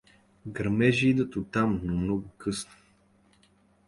Гърмежи идат оттам, но много по-късно.